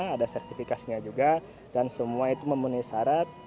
ada sertifikasinya juga dan semua itu memenuhi syarat